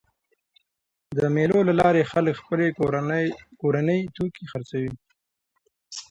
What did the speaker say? د مېلو له لاري خلک خپل کورني توکي خرڅوي.